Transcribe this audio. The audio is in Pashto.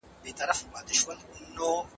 د کار ساعتونو کمښت هم انرژي ټیټه ساتي.